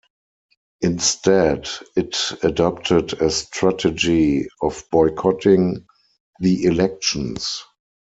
Instead, it adopted a strategy of boycotting the elections.